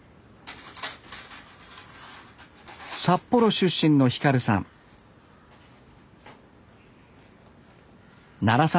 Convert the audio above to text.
札幌出身の輝さん